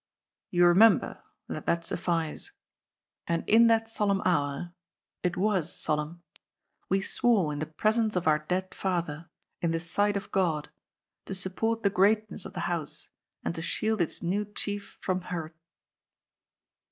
You remember ; let that suffice. And in that solemn hour — it was solemn — we swore in the presence of our dead father, in the sight of Ood, to support the greatness of the old house, and to shield its new chief from hurt."